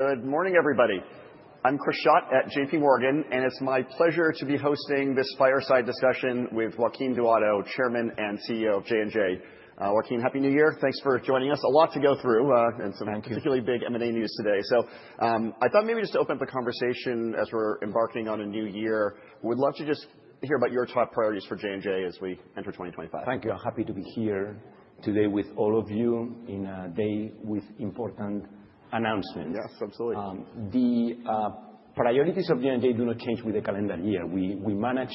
Good morning, everybody. I'm Chris Schott at JPMorgan, and it's my pleasure to be hosting this Fireside Discussion with Joaquin Duato, Chairman and CEO of J&J. Joaquin, happy New Year. Thanks for joining us. A lot to go through and some particularly big M&A news today. So I thought maybe just to open up the conversation as we're embarking on a new year, we'd love to just hear about your top priorities for J&J as we enter 2025. Thank you. I'm happy to be here today with all of you in a day with important announcements. Yes, absolutely. The priorities of J&J do not change with the calendar year. We manage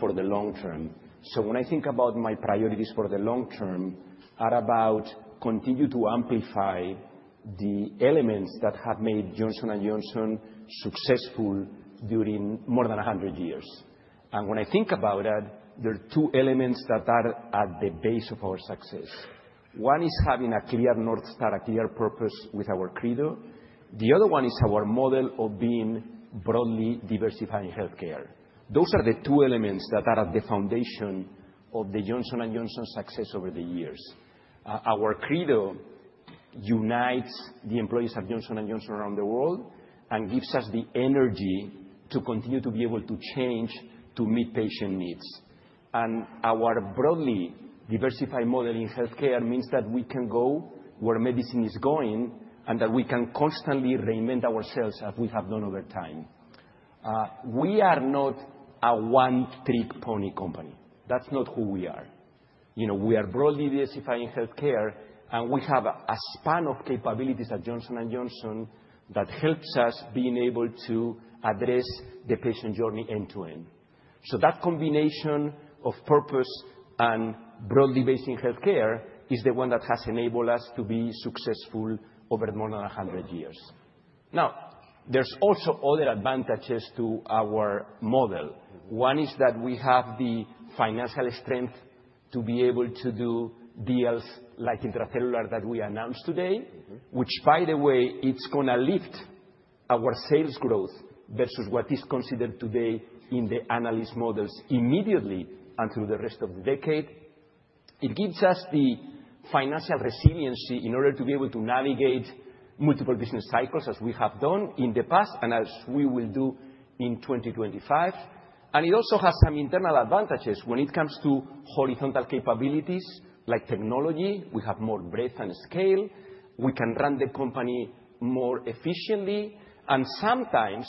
for the long term, so when I think about my priorities for the long term, I plan to continue to amplify the elements that have made Johnson & Johnson successful during more than 100 years, and when I think about it, there are two elements that are at the base of our success. One is having a clear North Star, a clear purpose with our Credo. The other one is our model of being broadly diversified in health care. Those are the two elements that are at the foundation of Johnson & Johnson's success over the years. Our Credo unites the employees at Johnson & Johnson around the world and gives us the energy to continue to be able to change to meet patient needs. And our broadly diversified model in health care means that we can go where medicine is going and that we can constantly reinvent ourselves as we have done over time. We are not a one-trick pony company. That's not who we are. We are broadly diversified in health care, and we have a span of capabilities at Johnson & Johnson that helps us be able to address the patient journey end to end. So that combination of purpose and broadly based in health care is the one that has enabled us to be successful over more than 100 years. Now, there's also other advantages to our model. One is that we have the financial strength to be able to do deals like Intra-Cellular that we announced today, which, by the way, it's going to lift our sales growth versus what is considered today in the analyst models immediately and through the rest of the decade. It gives us the financial resiliency in order to be able to navigate multiple business cycles as we have done in the past and as we will do in 2025, and it also has some internal advantages when it comes to horizontal capabilities like technology. We have more breadth and scale. We can run the company more efficiently, and sometimes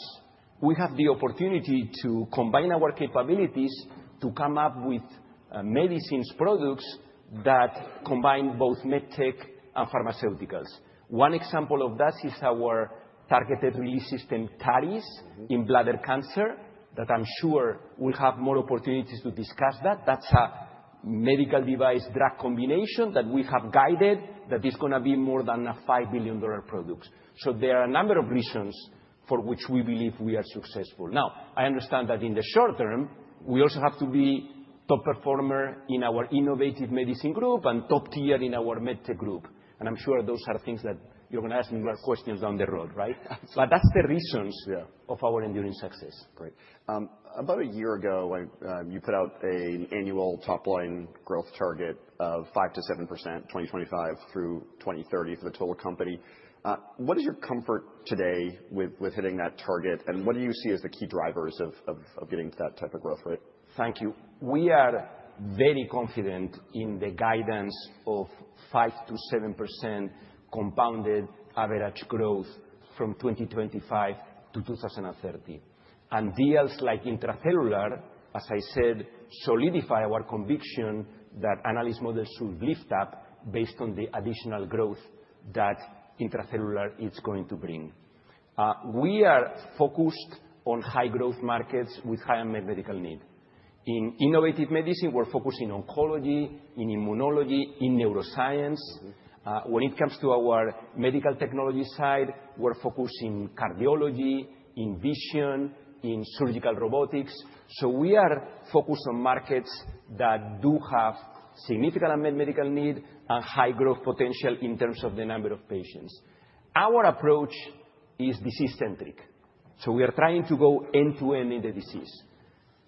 we have the opportunity to combine our capabilities to come up with medicine products that combine both MedTech and pharmaceuticals. One example of that is our targeted release system, TAR-200, in bladder cancer that I'm sure we'll have more opportunities to discuss that. That's a medical device drug combination that we have guided that is going to be more than a $5 billion product. So there are a number of reasons for which we believe we are successful. Now, I understand that in the short term, we also have to be top performer in our Innovative Medicine group and top tier in our MedTech group. And I'm sure those are things that you're going to ask me questions down the road, right? But that's the reasons of our enduring success. Great. About a year ago, you put out an annual top line growth target of 5%-7%, 2025 through 2030 for the total company. What is your comfort today with hitting that target, and what do you see as the key drivers of getting to that type of growth rate? Thank you. We are very confident in the guidance of 5%-7% compounded average growth from 2025 to 2030, and deals like Intra-Cellular, as I said, solidify our conviction that analyst models should lift up based on the additional growth that Intra-Cellular is going to bring. We are focused on high growth markets with high medical need. In innovative medicine, we're focusing on oncology, in immunology, in neuroscience. When it comes to our medical technology side, we're focusing on cardiology, in vision, in surgical robotics, so we are focused on markets that do have significant medical need and high growth potential in terms of the number of patients. Our approach is disease-centric, so we are trying to go end to end in the disease.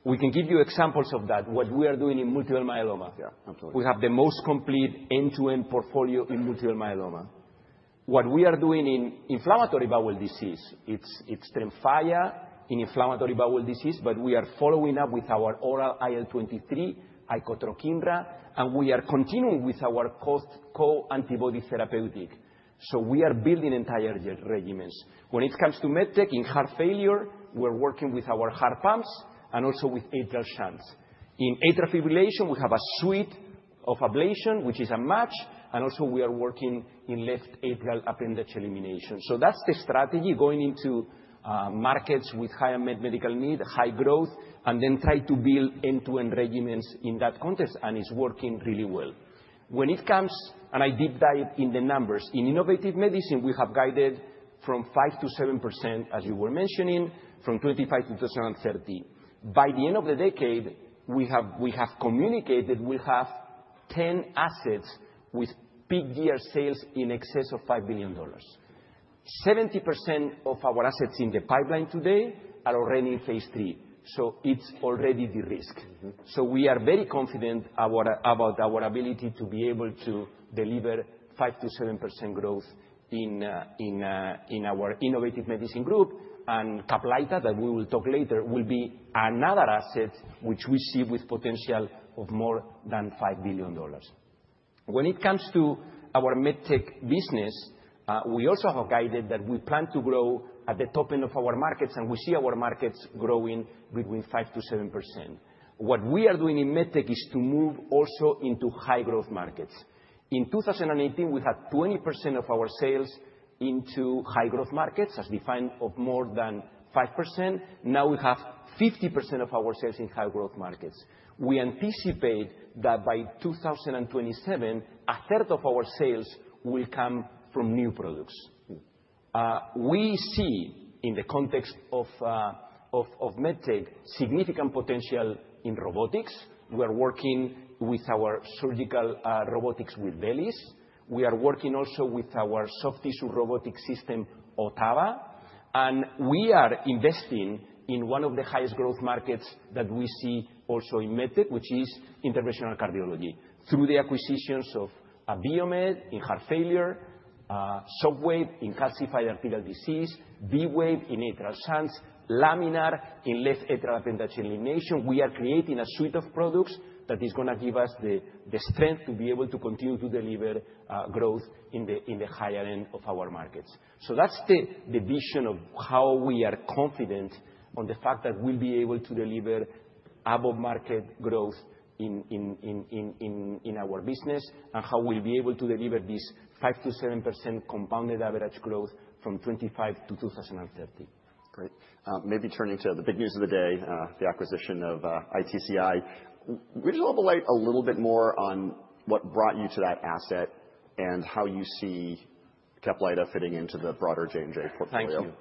We can give you examples of that, what we are doing in multiple myeloma. We have the most complete end to end portfolio in multiple myeloma. What we are doing in inflammatory bowel disease, it's Tremfya in inflammatory bowel disease, but we are following up with our oral IL-23, Icotrokinra, and we are continuing with our co-antibody therapeutic. So we are building entire regimens. When it comes to medtech in heart failure, we're working with our heart pumps and also with atrial shunts. In atrial fibrillation, we have a suite of ablation, which is a match, and also we are working in left atrial appendage elimination. So that's the strategy going into markets with high medical need, high growth, and then try to build end to end regimens in that context, and it's working really well. When it comes, and I deep dive in the numbers, in innovative medicine, we have guided from 5% to 7%, as you were mentioning, from 2025 to 2030. By the end of the decade, we have communicated that we have 10 assets with peak year sales in excess of $5 billion. 70% of our assets in the pipeline today are already in phase three. So it's already the risk, so we are very confident about our ability to be able to deliver 5%-7% growth in our Innovative Medicine group, and Caplyta, that we will talk later, will be another asset which we see with potential of more than $5 billion. When it comes to our MedTech business, we also have guided that we plan to grow at the top end of our markets, and we see our markets growing between 5%-7%. What we are doing in MedTech is to move also into high growth markets. In 2018, we had 20% of our sales into high growth markets as defined of more than 5%. Now we have 50% of our sales in high growth markets. We anticipate that by 2027, a third of our sales will come from new products. We see in the context of MedTech significant potential in robotics. We are working with our surgical robotics with VELYS. We are working also with our soft tissue robotic system, Ottava. And we are investing in one of the highest growth markets that we see also in MedTech, which is interventional cardiology through the acquisitions of Abiomed in heart failure, Shockwave in calcified arterial disease, V-Wave in atrial shunts, Laminar in left atrial appendage elimination. We are creating a suite of products that is going to give us the strength to be able to continue to deliver growth in the higher end of our markets. So that's the vision of how we are confident on the fact that we'll be able to deliver above market growth in our business and how we'll be able to deliver this 5%-7% compounded average growth from 2025 to 2030. Great. Maybe turning to the big news of the day, the acquisition of ITCI. Would you just elaborate a little bit more on what brought you to that asset and how you see Caplyta fitting into the broader J&J portfolio? Thank you.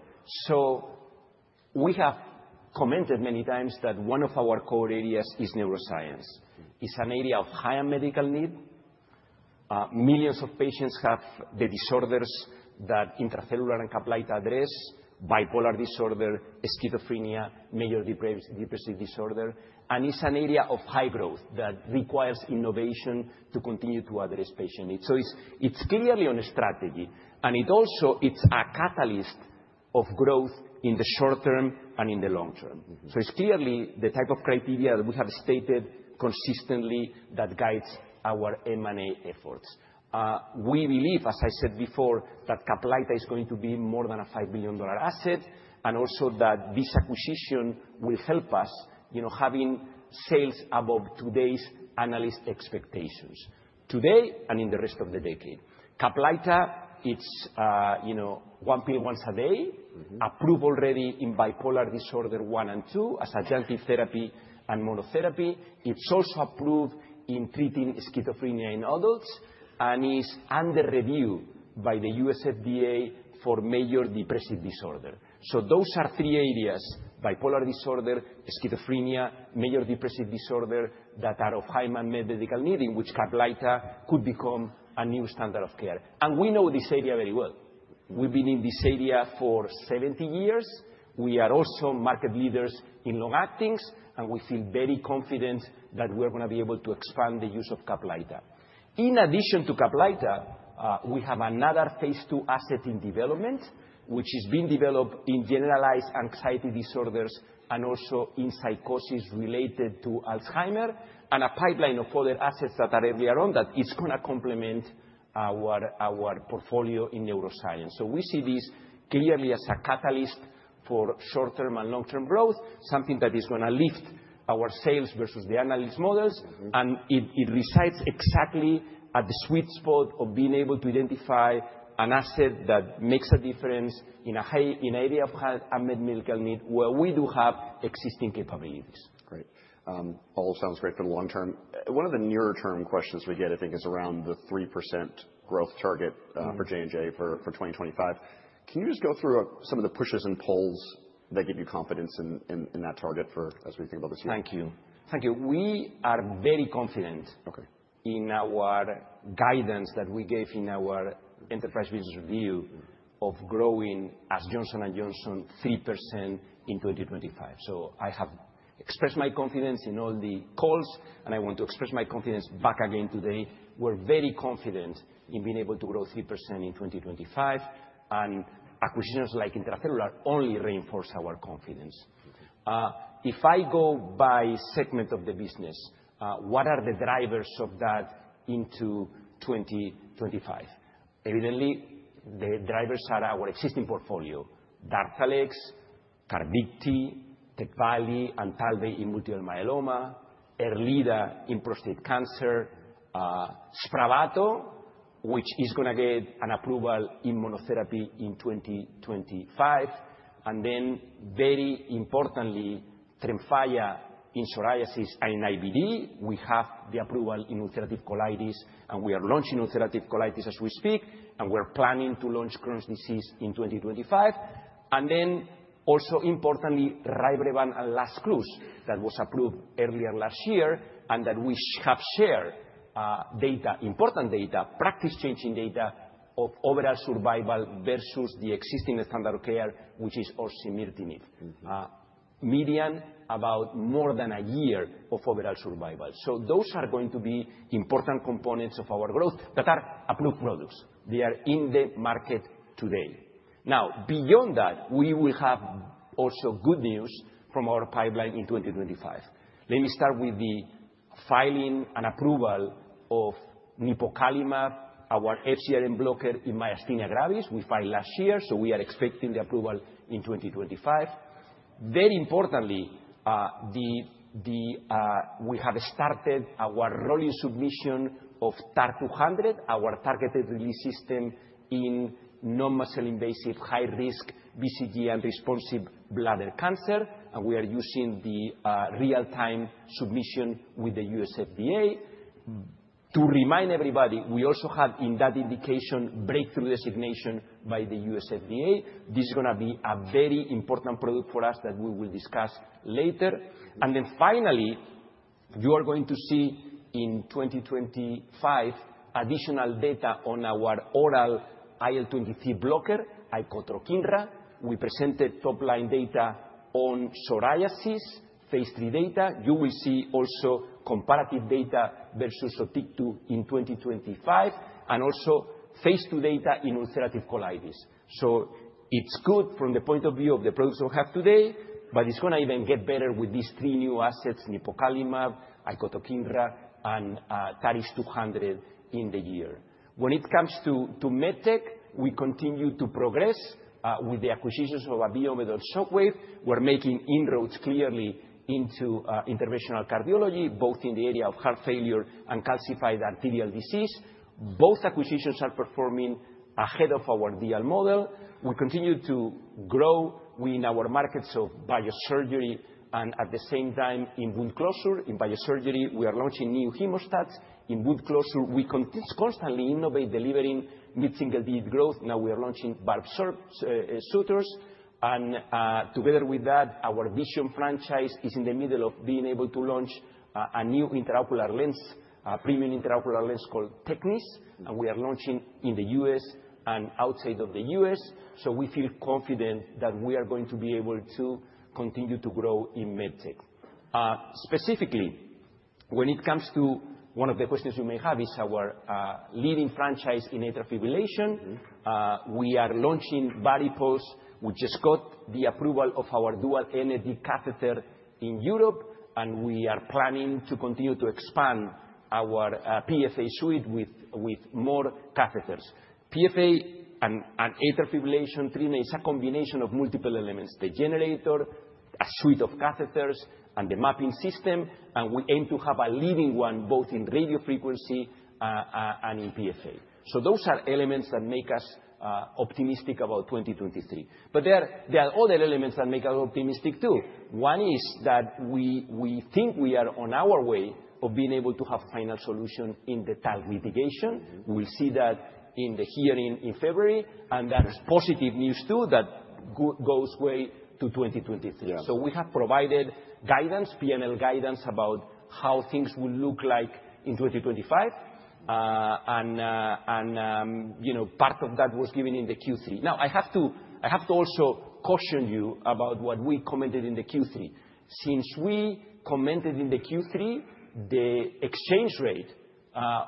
So we have commented many times that one of our core areas is neuroscience. It's an area of high medical need. Millions of patients have the disorders that Intra-Cellular and Caplyta address: bipolar disorder, schizophrenia, major depressive disorder. And it's an area of high growth that requires innovation to continue to address patient needs. So it's clearly on a strategy. And it also is a catalyst of growth in the short term and in the long term. So it's clearly the type of criteria that we have stated consistently that guides our M&A efforts. We believe, as I said before, that Caplyta is going to be more than a $5 billion asset and also that this acquisition will help us having sales above today's analyst expectations today and in the rest of the decade. Caplyta, it's one pill once a day, approved already in bipolar disorder one and two as adjunctive therapy and monotherapy. It's also approved in treating schizophrenia in adults and is under review by the U.S. FDA for major depressive disorder. So those are three areas: bipolar disorder, schizophrenia, major depressive disorder that are of high medical need, in which Caplyta could become a new standard of care. And we know this area very well. We've been in this area for 70 years. We are also market leaders in long actings, and we feel very confident that we're going to be able to expand the use of Caplyta. In addition to Caplyta, we have another phase two asset in development, which is being developed in generalized anxiety disorders and also in psychosis related to Alzheimer's and a pipeline of other assets that are earlier on that it's going to complement our portfolio in neuroscience. So we see this clearly as a catalyst for short term and long term growth, something that is going to lift our sales versus the analyst models. And it resides exactly at the sweet spot of being able to identify an asset that makes a difference in an area of high medical need where we do have existing capabilities. Great. All sounds great for the long term. One of the nearer term questions we get, I think, is around the 3% growth target for J&J for 2025. Can you just go through some of the pushes and pulls that give you confidence in that target as we think about this year? Thank you. We are very confident in our guidance that we gave in our enterprise business review of growing as Johnson & Johnson 3% in 2025. So I have expressed my confidence in all the calls, and I want to express my confidence back again today. We're very confident in being able to grow 3% in 2025. And acquisitions like Intra-Cellular only reinforce our confidence. If I go by segment of the business, what are the drivers of that into 2025? Evidently, the drivers are our existing portfolio: Darzalex, Carvykti, Tecvayli, Talvey in multiple myeloma, Erleada in prostate cancer, Spravato, which is going to get an approval in monotherapy in 2025. And then very importantly, Tremfya in psoriasis and in IBD. We have the approval in ulcerative colitis, and we are launching ulcerative colitis as we speak. And we're planning to launch Crohn's disease in 2025. Then also importantly, Rybrevant and Lazcluze that was approved earlier last year and that we have shared data, important data, practice changing data of overall survival versus the existing standard of care, which is osimertinib. Median about more than a year of overall survival. Those are going to be important components of our growth that are approved products. They are in the market today. Now, beyond that, we will have also good news from our pipeline in 2025. Let me start with the filing and approval of Nipocalimab, our FcRn blocker in myasthenia gravis. We filed last year, so we are expecting the approval in 2025. Very importantly, we have started our rolling submission of TAR-200, our targeted release system in non-muscle-invasive high-risk BCG-unresponsive bladder cancer. We are using the real-time submission with the U.S. FDA. To remind everybody, we also have in that indication breakthrough designation by the U.S. FDA. This is going to be a very important product for us that we will discuss later. And then finally, you are going to see in 2025 additional data on our oral IL-23 blocker, Icotrokinra. We presented top line data on psoriasis, phase three data. You will see also comparative data versus Sotyktu in 2025 and also phase two data in ulcerative colitis. So it's good from the point of view of the products we have today, but it's going to even get better with these three new assets, Nipocalimab, Icotrokinra, and TAR-200 in the year. When it comes to MedTech, we continue to progress with the acquisitions of Abiomed or Shockwave. We're making inroads clearly into interventional cardiology, both in the area of heart failure and calcified arterial disease. Both acquisitions are performing ahead of our deal model. We continue to grow in our markets of biosurgery and at the same time in wound closure. In biosurgery, we are launching new hemostats. In wound closure, we constantly innovate, delivering mid single digit growth. Now we are launching barbed sutures, and together with that, our Vision franchise is in the middle of being able to launch a new premium intraocular lens called Tecnis, and we are launching in the U.S. and outside of the U.S. So we feel confident that we are going to be able to continue to grow in MedTech. Specifically, when it comes to one of the questions you may have, it's our leading franchise in atrial fibrillation. We are launching VARIPULSE. We just got the approval of our dual energy catheter in Europe, and we are planning to continue to expand our PFA suite with more catheters. PFA and atrial fibrillation treatment is a combination of multiple elements: the generator, a suite of catheters, and the mapping system, and we aim to have a leading one both in radio frequency and in PFA, so those are elements that make us optimistic about 2023, but there are other elements that make us optimistic too. One is that we think we are on our way of being able to have a final solution in the talc litigation. We'll see that in the hearing in February, and that's positive news too that goes way to 2023, so we have provided guidance, P&L guidance about how things will look like in 2025, and part of that was given in the Q3. Now, I have to also caution you about what we commented in the Q3. Since we commented in the Q3, the exchange rate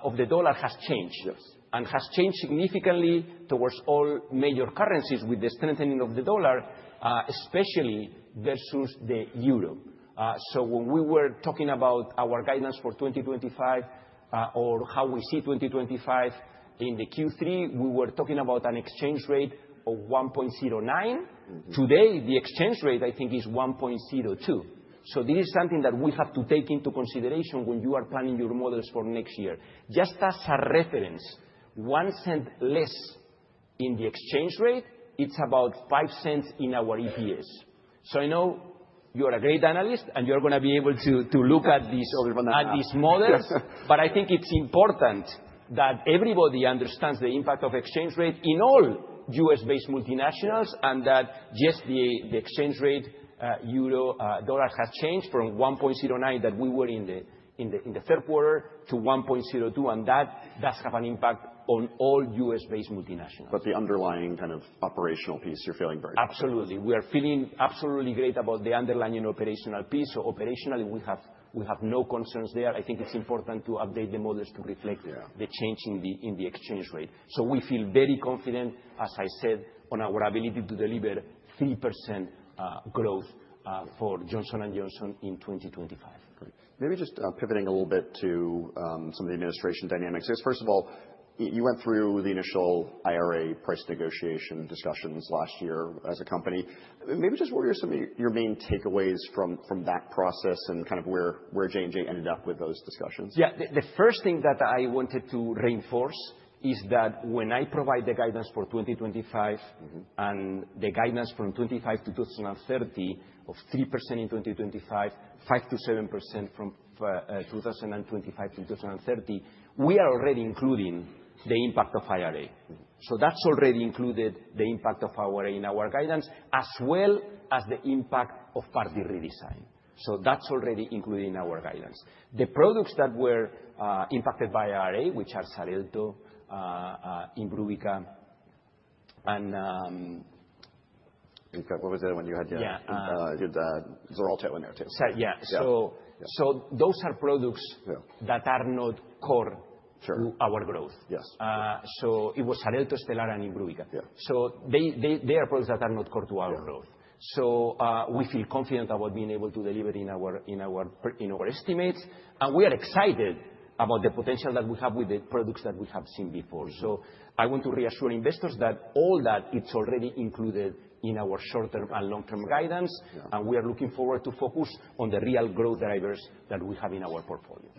of the dollar has changed and has changed significantly towards all major currencies with the strengthening of the dollar, especially versus the euro. So when we were talking about our guidance for 2025 or how we see 2025 in the Q3, we were talking about an exchange rate of 1.09. Today, the exchange rate, I think, is 1.02. So this is something that we have to take into consideration when you are planning your models for next year. Just as a reference, one cent less in the exchange rate, it's about five cents in our EPS. So I know you are a great analyst, and you're going to be able to look at these models. But I think it's important that everybody understands the impact of exchange rate in all U.S.-based multinationals and that just the exchange rate, euro dollar, has changed from 1.09 that we were in the third quarter to 1.02, and that does have an impact on all U.S.-based multinationals. but the underlying kind of operational piece, you're feeling very confident. Absolutely. We are feeling absolutely great about the underlying operational piece. So operationally, we have no concerns there. I think it's important to update the models to reflect the change in the exchange rate. So we feel very confident, as I said, on our ability to deliver 3% growth for Johnson & Johnson in 2025. Great. Maybe just pivoting a little bit to some of the administration dynamics. First of all, you went through the initial IRA price negotiation discussions last year as a company. Maybe just what are some of your main takeaways from that process, and kind of where J&J ended up with those discussions? Yeah. The first thing that I wanted to reinforce is that when I provide the guidance for 2025 and the guidance from 2025 to 2030 of 3% in 2025, 5%-7% from 2025 to 2030, we are already including the impact of IRA. So that's already included the impact of IRA in our guidance as well as the impact of PBM redesign. So that's already included in our guidance. The products that were impacted by IRA, which are Xarelto, Imbruvica, and. What was the other one you had? Yeah. Xarelto in there too. Yeah. So those are products that are not core to our growth. So it was Xarelto, Stelara, and Imbruvica. So they are products that are not core to our growth. So we feel confident about being able to deliver in our estimates. And we are excited about the potential that we have with the products that we have seen before. So I want to reassure investors that all that, it's already included in our short-term and long-term guidance. And we are looking forward to focus on the real growth drivers that we have in our portfolio.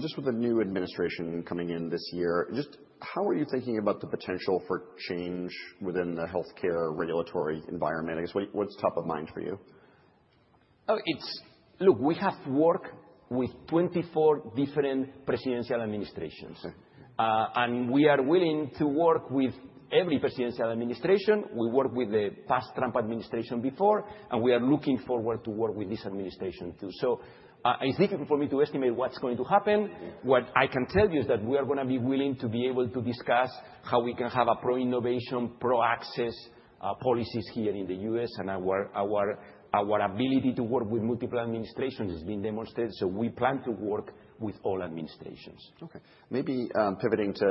Just with the new administration coming in this year, just how are you thinking about the potential for change within the healthcare regulatory environment? I guess what's top of mind for you? Look, we have worked with 24 different presidential administrations, and we are willing to work with every presidential administration. We worked with the past Trump administration before, and we are looking forward to work with this administration too, so it's difficult for me to estimate what's going to happen. What I can tell you is that we are going to be willing to be able to discuss how we can have pro-innovation, pro-access policies here in the U.S. Our ability to work with multiple administrations is being demonstrated, so we plan to work with all administrations. Okay. Maybe pivoting to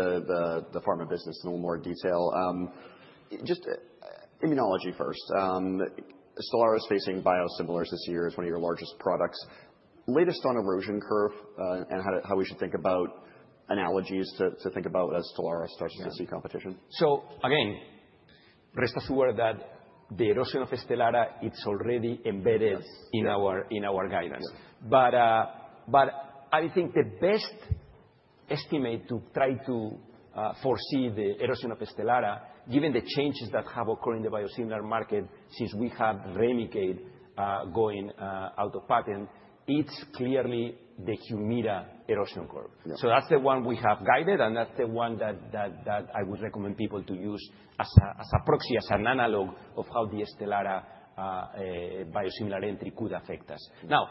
the pharma business in a little more detail. Just immunology first. Stelara is facing biosimilars this year. It's one of your largest products. Latest on erosion curve and how we should think about analogies to think about as Stelara starts to see competition. So again, rest assured that the erosion of Stelara, it's already embedded in our guidance. But I think the best estimate to try to foresee the erosion of Stelara, given the changes that have occurred in the biosimilar market since we had Remicade going out of patent, it's clearly the Humira erosion curve. So that's the one we have guided, and that's the one that I would recommend people to use as a proxy, as an analog of how the Stelara biosimilar entry could affect us. Now,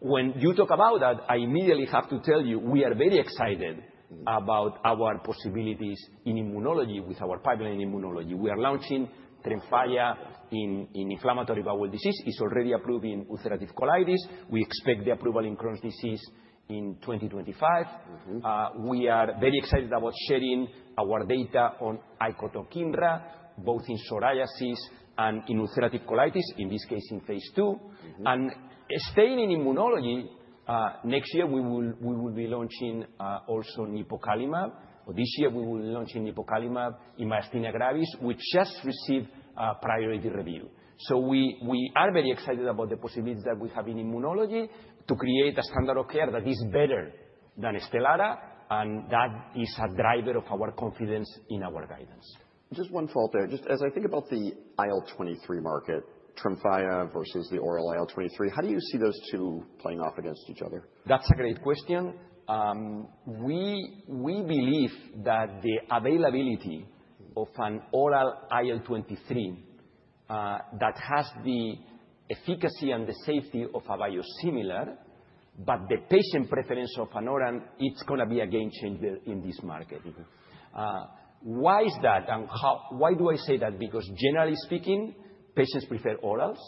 when you talk about that, I immediately have to tell you we are very excited about our possibilities in immunology with our pipeline in immunology. We are launching Tremfya in inflammatory bowel disease. It's already approved in ulcerative colitis. We expect the approval in Crohn's disease in 2025. We are very excited about sharing our data on Icotrokinra, both in psoriasis and in ulcerative colitis, in this case in phase two. And staying in immunology, next year we will be launching also Nipocalimab. This year we will launch Nipocalimab in myasthenia gravis, which just received priority review. So we are very excited about the possibilities that we have in immunology to create a standard of care that is better than Stelara, and that is a driver of our confidence in our guidance. Just one thought there. Just as I think about the IL-23 market, Tremfya versus the oral IL-23, how do you see those two playing off against each other? That's a great question. We believe that the availability of an oral IL-23 that has the efficacy and the safety of a biosimilar, but the patient preference of an oral, it's going to be a game changer in this market. Why is that? And why do I say that? Because generally speaking, patients prefer orals.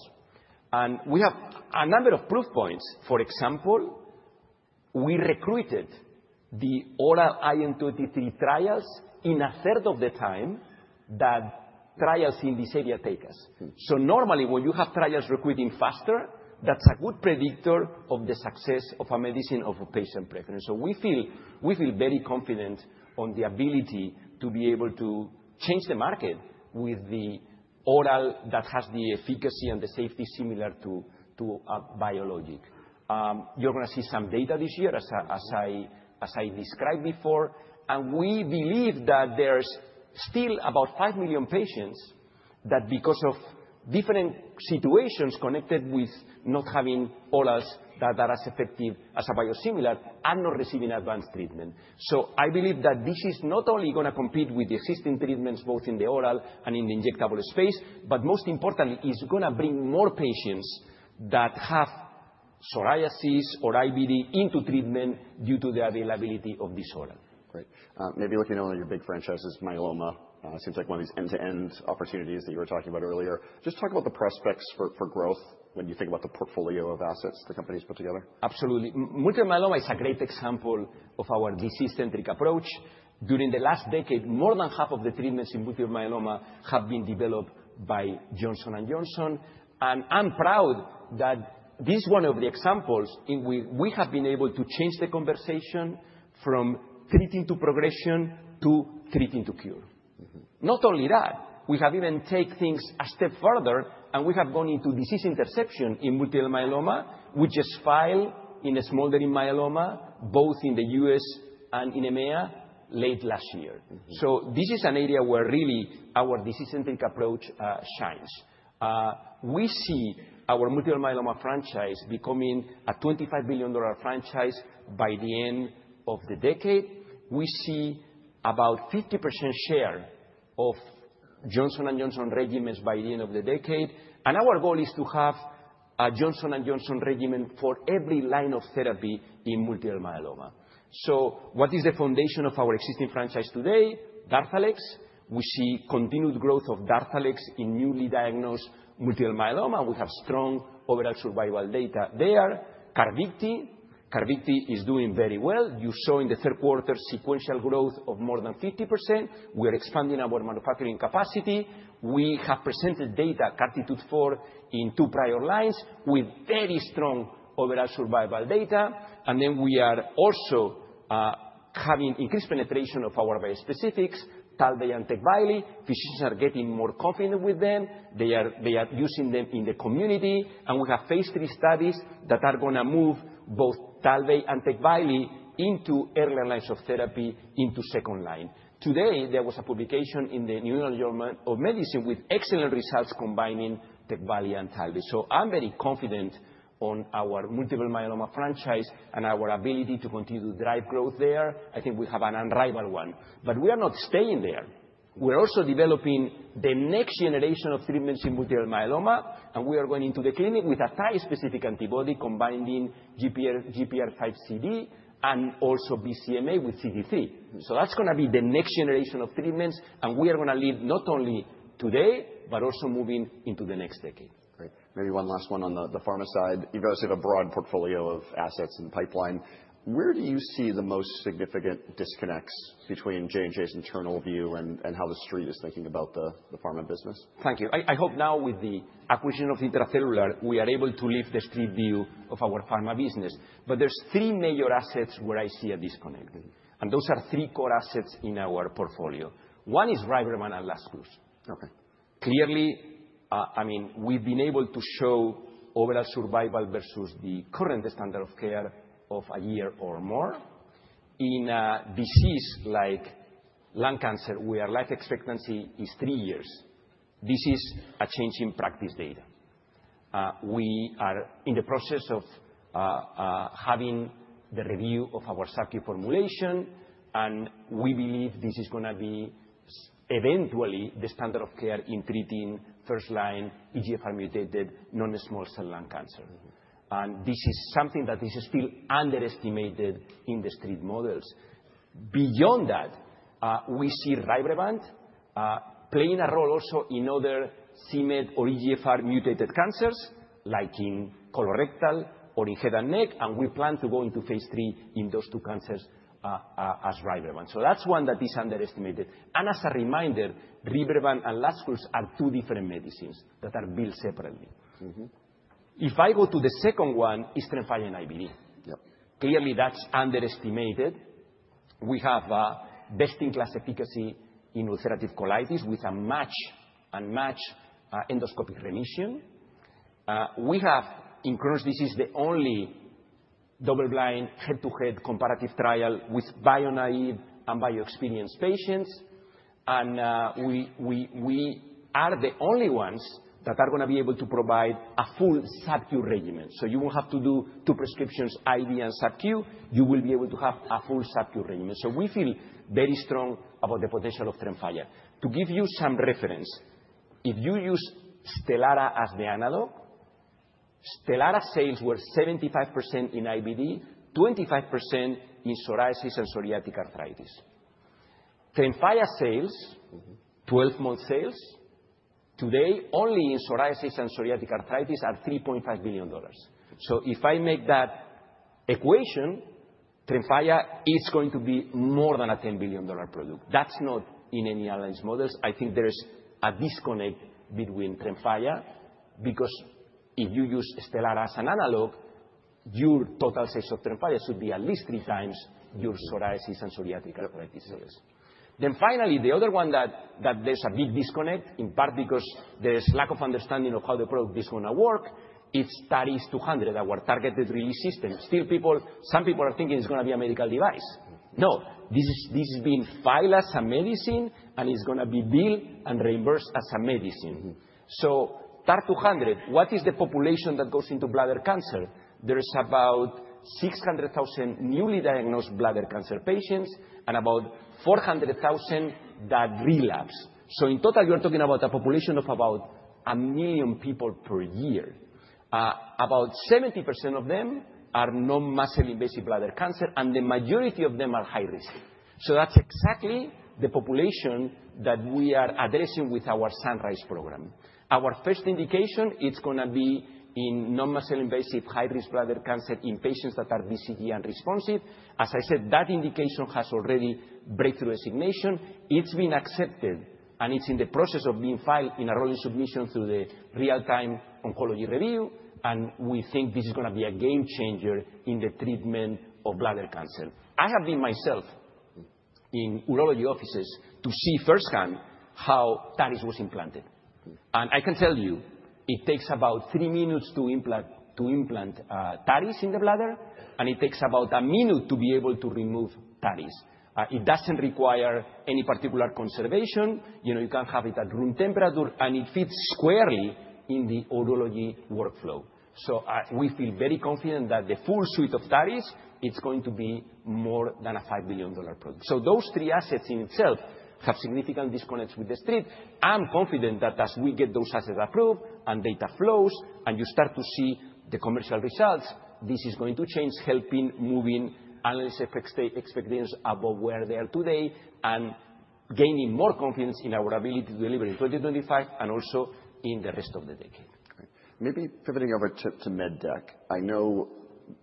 And we have a number of proof points. For example, we recruited the oral IL-23 trials in a third of the time that trials in this area take us. So normally, when you have trials recruiting faster, that's a good predictor of the success of a medicine of a patient preference. So we feel very confident on the ability to be able to change the market with the oral that has the efficacy and the safety similar to biologic. You're going to see some data this year, as I described before. We believe that there's still about five million patients that, because of different situations connected with not having orals that are as effective as a biosimilar, are not receiving advanced treatment. I believe that this is not only going to compete with the existing treatments, both in the oral and in the injectable space, but most importantly, it's going to bring more patients that have psoriasis or IBD into treatment due to the availability of this oral. Great. Maybe looking at one of your big franchises, Myeloma, seems like one of these end-to-end opportunities that you were talking about earlier. Just talk about the prospects for growth when you think about the portfolio of assets the company has put together. Absolutely. Multiple myeloma is a great example of our disease-centric approach. During the last decade, more than half of the treatments in multiple myeloma have been developed by Johnson & Johnson. And I'm proud that this is one of the examples in which we have been able to change the conversation from treating to progression to treating to cure. Not only that, we have even taken things a step further, and we have gone into disease interception in multiple myeloma, which is filed in a smoldering myeloma, both in the U.S. and in EMEA late last year. So this is an area where really our disease-centric approach shines. We see our multiple myeloma franchise becoming a $25 billion franchise by the end of the decade. We see about a 50% share of Johnson & Johnson regimens by the end of the decade. Our goal is to have a Johnson & Johnson regimen for every line of therapy in multiple myeloma. What is the foundation of our existing franchise today? Darzalex. We see continued growth of Darzalex in newly diagnosed multiple myeloma. We have strong overall survival data there. Carvykti. Carvykti is doing very well. You saw in the third quarter sequential growth of more than 50%. We are expanding our manufacturing capacity. We have presented data CARTITUDE-4 in two prior lines with very strong overall survival data. Then we are also having increased penetration of our bispecifics, Talvey and Tecvayli. Physicians are getting more confident with them. They are using them in the community. We have phase three studies that are going to move both Talvey and Tecvayli into early lines of therapy into second line. Today, there was a publication in the New England Journal of Medicine with excellent results combining Tecvayli and Talvey. So I'm very confident on our multiple myeloma franchise and our ability to continue to drive growth there. I think we have an unrivaled one. But we are not staying there. We're also developing the next generation of treatments in multiple myeloma. And we are going into the clinic with a trispecific antibody combining GPRC5D and also BCMA with CD3. So that's going to be the next generation of treatments. And we are going to lead not only today, but also moving into the next decade. Great. Maybe one last one on the pharma side. You've obviously had a broad portfolio of assets and pipeline. Where do you see the most significant disconnects between J&J's internal view and how the street is thinking about the pharma business? Thank you. I hope now with the acquisition of Intra-Cellular, we are able to lift the street view of our pharma business. But there's three major assets where I see a disconnect. And those are three core assets in our portfolio. One is Rybrevant and Lazcluze. Clearly, I mean, we've been able to show overall survival versus the current standard of care of a year or more. In a disease like lung cancer, where life expectancy is three years, this is a change in practice data. We are in the process of having the review of our subQ formulation. And we believe this is going to be eventually the standard of care in treating first-line EGFR-mutated non-small cell lung cancer. And this is something that is still underestimated in the street models. Beyond that, we see Rybrevant playing a role also in other c-Met or EGFR-mutated cancers, like in colorectal or in head and neck. We plan to go into phase 3 in those two cancers as Rybrevant. That's one that is underestimated. As a reminder, Rybrevant and Lazcluze are two different medicines that are billed separately. If I go to the second one, it's Tremfya and IBD. Clearly, that's underestimated. We have best-in-class efficacy in ulcerative colitis with 100% and matched endoscopic remission. We have, in Crohn's disease, the only double-blind head-to-head comparative trial with bio-naïve and bio-experienced patients. We are the only ones that are going to be able to provide a full subQ regimen. You won't have to do two prescriptions, IV and subQ. You will be able to have a full subQ regimen. We feel very strong about the potential of Tremfya. To give you some reference, if you use Stelara as the analog, Stelara sales were 75% in IBD, 25% in psoriasis and psoriatic arthritis. Tremfya sales, 12-month sales, today only in psoriasis and psoriatic arthritis are $3.5 billion. If I make that equation, Tremfya is going to be more than a $10 billion product. That's not in any alliance models. I think there's a disconnect between Tremfya because if you use Stelara as an analog, your total sales of Tremfya should be at least three times your psoriasis and psoriatic arthritis sales. Finally, the other one that there's a big disconnect, in part because there's lack of understanding of how the product is going to work, it's TAR-200, our targeted release system. Still, some people are thinking it's going to be a medical device. No, this is being filed as a medicine, and it's going to be billed and reimbursed as a medicine. So TAR-200, what is the population that goes into bladder cancer? There's about 600,000 newly diagnosed bladder cancer patients and about 400,000 that relapse. So in total, you are talking about a population of about a million people per year. About 70% of them are non-muscle-invasive bladder cancer, and the majority of them are high-risk. So that's exactly the population that we are addressing with our Sunrise program. Our first indication, it's going to be in non-muscle-invasive high-risk bladder cancer in patients that are BCG-unresponsive. As I said, that indication has already breakthrough designation. It's been accepted, and it's in the process of being filed in a rolling submission through the real-time oncology review. And we think this is going to be a game changer in the treatment of bladder cancer. I have been myself in urology offices to see firsthand how TAR-200 was implanted. And I can tell you, it takes about three minutes to implant TAR-200 in the bladder, and it takes about a minute to be able to remove TAR-200. It doesn't require any particular refrigeration. You can have it at room temperature, and it fits squarely in the urology workflow. So we feel very confident that the full suite of TAR-200, it's going to be more than a $5 billion product. So those three assets in itself have significant disconnects with the street. I'm confident that as we get those assets approved and data flows and you start to see the commercial results, this is going to change, helping move analysts' expectations above where they are today and gaining more confidence in our ability to deliver in 2025 and also in the rest of the decade. Maybe pivoting over to MedTech. I know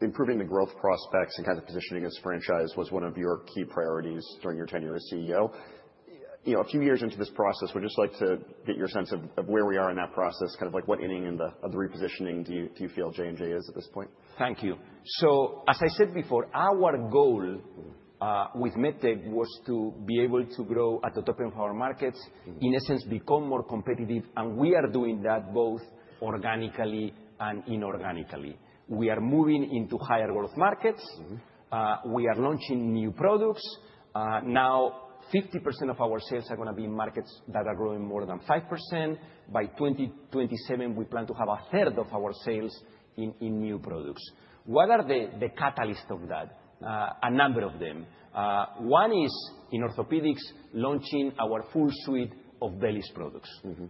improving the growth prospects and kind of positioning this franchise was one of your key priorities during your tenure as CEO. A few years into this process, we'd just like to get your sense of where we are in that process, kind of like what inning of the repositioning do you feel J&J is at this point? Thank you. So as I said before, our goal with MedTech was to be able to grow at the top end of our markets, in essence, become more competitive. And we are doing that both organically and inorganically. We are moving into higher growth markets. We are launching new products. Now, 50% of our sales are going to be in markets that are growing more than 5%. By 2027, we plan to have a third of our sales in new products. What are the catalysts of that? A number of them. One is in orthopedics, launching our full suite of VELYS products.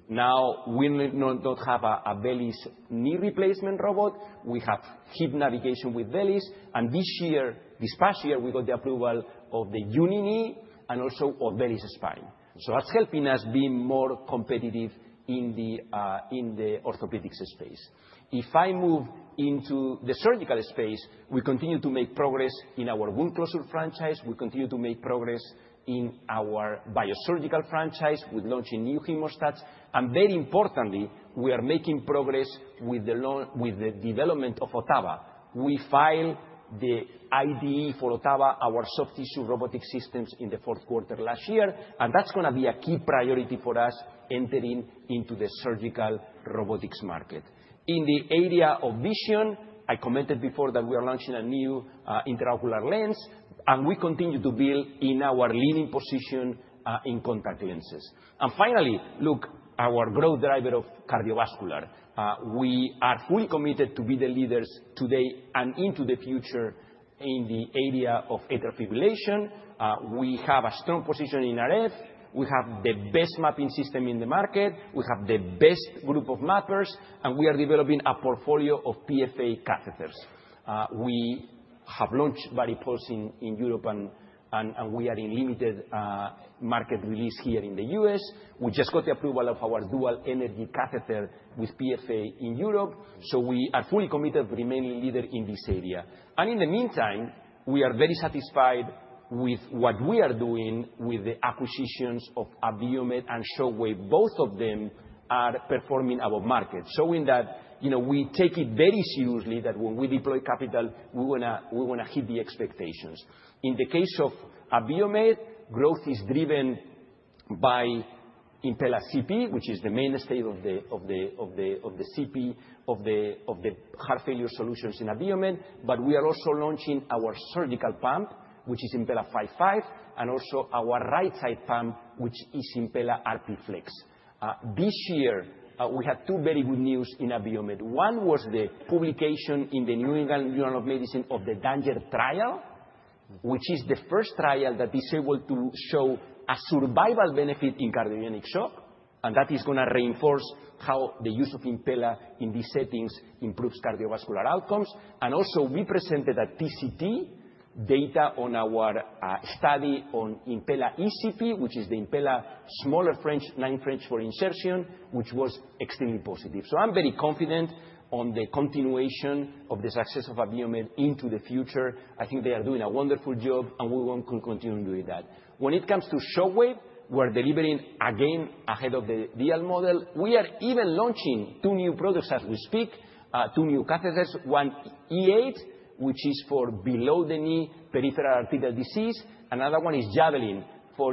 Now, we don't have a VELYS knee replacement robot. We have hip navigation with VELYS. And this year, this past year, we got the approval of the uni knee and also of VELYS spine. So that's helping us be more competitive in the orthopedics space. If I move into the surgical space, we continue to make progress in our wound closure franchise. We continue to make progress in our biosurgical franchise with launching new hemostats. And very importantly, we are making progress with the development of Ottava. We filed the IDE for Ottava, our soft tissue robotic systems, in the fourth quarter last year. And that's going to be a key priority for us entering into the surgical robotics market. In the area of vision, I commented before that we are launching a new intraocular lens. And we continue to build in our leading position in contact lenses. And finally, look, our growth driver of cardiovascular. We are fully committed to be the leaders today and into the future in the area of atrial fibrillation. We have a strong position in RF. We have the best mapping system in the market. We have the best group of mappers, and we are developing a portfolio of PFA catheters. We have launched Varipulse in Europe, and we are in limited market release here in the US. We just got the approval of our dual energy catheter with PFA in Europe, so we are fully committed to remain a leader in this area, and in the meantime, we are very satisfied with what we are doing with the acquisitions of Abiomed and Shockwave. Both of them are performing above market, showing that we take it very seriously that when we deploy capital, we're going to hit the expectations. In the case of Abiomed, growth is driven by Impella CP, which is the mainstay of the CP of the heart failure solutions in Abiomed. We are also launching our surgical pump, which is Impella 5.5, and also our right-side pump, which is Impella RP Flex. This year, we had two very good news in Abiomed. One was the publication in the New England Journal of Medicine of the DanGer Trial, which is the first trial that is able to show a survival benefit in cardiogenic shock. And that is going to reinforce how the use of Impella in these settings improves cardiovascular outcomes. And also, we presented at TCT data on our study on Impella ECP, which is the Impella smaller French 9 French for insertion, which was extremely positive. So I'm very confident on the continuation of the success of Abiomed into the future. I think they are doing a wonderful job, and we will continue doing that. When it comes to Shockwave, we're delivering again ahead of the deal model. We are even launching two new products as we speak, two new catheters. One E8, which is for below the knee peripheral arterial disease. Another one is Javelin for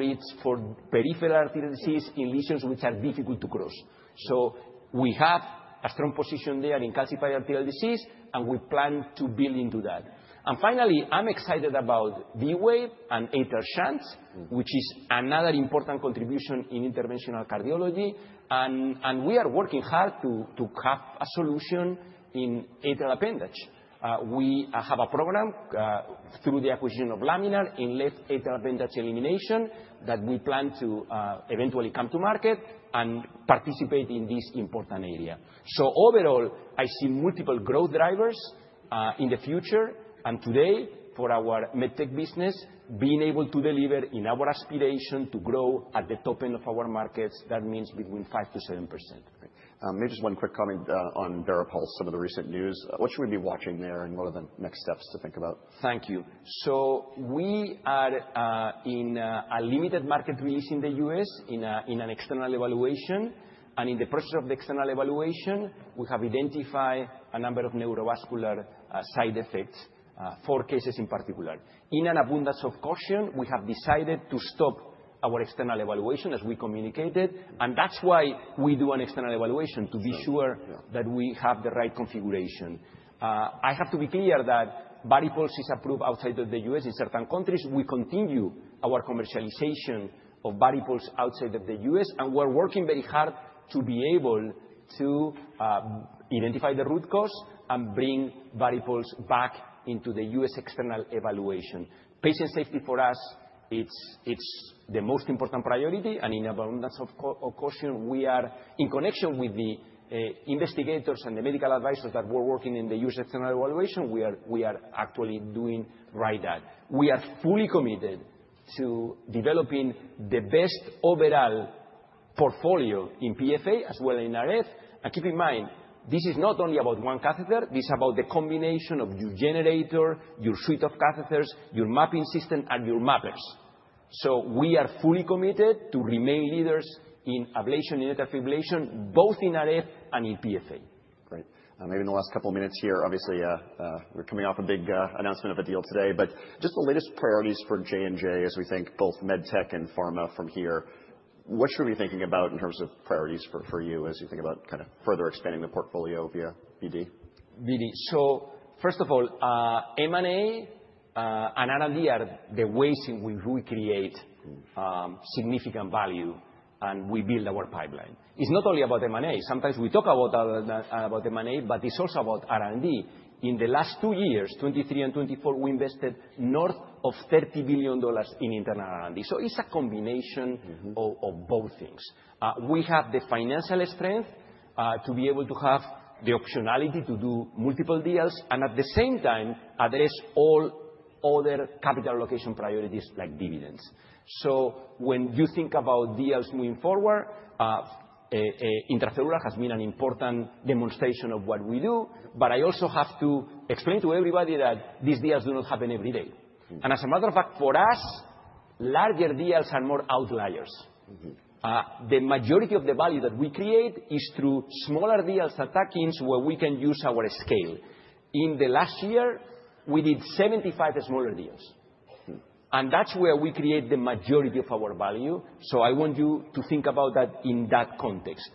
peripheral arterial disease in lesions which are difficult to cross. So we have a strong position there in calcified arterial disease, and we plan to build into that. And finally, I'm excited about V-Wave and atrial shunts, which is another important contribution in interventional cardiology. And we are working hard to have a solution in atrial appendage. We have a program through the acquisition of Laminar in left atrial appendage elimination that we plan to eventually come to market and participate in this important area. So overall, I see multiple growth drivers in the future. Today, for our MedTech business, being able to deliver in our aspiration to grow at the top end of our markets, that means between 5% to 7%. Maybe just one quick comment on VARIPULSE and some of the recent news. What should we be watching there and what are the next steps to think about? Thank you. So we are in a limited market release in the U.S. in an external evaluation, and in the process of the external evaluation, we have identified a number of neurovascular side effects, four cases in particular. In an abundance of caution, we have decided to stop our external evaluation, as we communicated, and that's why we do an external evaluation to be sure that we have the right configuration. I have to be clear that VARIPULSE is approved outside of the U.S. In certain countries, we continue our commercialization of VARIPULSE outside of the U.S., and we're working very hard to be able to identify the root cause and bring VARIPULSE back into the U.S. external evaluation. Patient safety for us, it's the most important priority. In an abundance of caution, we are in contact with the investigators and the medical advisors that we're working with in the U.S. external evaluation. We are actually doing that right. We are fully committed to developing the best overall portfolio in PFA as well as in RF. Keep in mind, this is not only about one catheter. This is about the combination of our generator, our suite of catheters, our mapping system, and our mappers. We are fully committed to remaining leaders in ablation and atrial fibrillation, both in RF and in PFA. Great. Maybe in the last couple of minutes here, obviously, we're coming off a big announcement of a deal today. But just the latest priorities for J&J as we think both MedTech and pharma from here. What should we be thinking about in terms of priorities for you as you think about kind of further expanding the portfolio via BD? So first of all, M&A and R&D are the ways in which we create significant value, and we build our pipeline. It's not only about M&A. Sometimes we talk about M&A, but it's also about R&D. In the last two years, 2023 and 2024, we invested north of $30 billion in internal R&D. So it's a combination of both things. We have the financial strength to be able to have the optionality to do multiple deals and at the same time address all other capital allocation priorities like dividends. So when you think about deals moving forward, Intra-Cellular has been an important demonstration of what we do. But I also have to explain to everybody that these deals do not happen every day. And as a matter of fact, for us, larger deals are more outliers. The majority of the value that we create is through smaller deals attacking where we can use our scale. In the last year, we did 75 smaller deals. And that's where we create the majority of our value. So I want you to think about that in that context.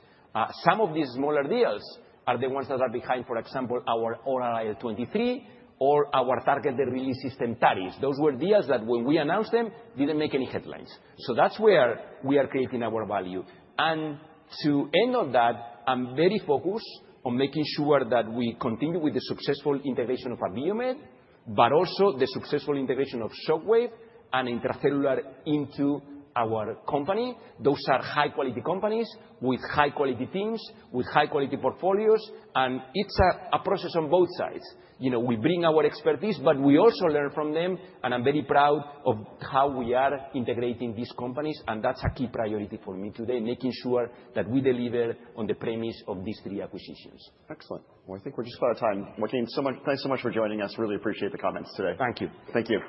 Some of these smaller deals are the ones that are behind, for example, our Oral-IL-23 or our targeted release system, Taris. Those were deals that when we announced them, didn't make any headlines. So that's where we are creating our value. And to end on that, I'm very focused on making sure that we continue with the successful integration of Abiomed, but also the successful integration of Shockwave and Intra-Cellular into our company. Those are high-quality companies with high-quality teams, with high-quality portfolios. And it's a process on both sides. We bring our expertise, but we also learn from them. I'm very proud of how we are integrating these companies. That's a key priority for me today, making sure that we deliver on the premise of these three acquisitions. Excellent. Well, I think we're just about out of time. Joaquin, thanks so much for joining us. Really appreciate the comments today. Thank you. Thank you.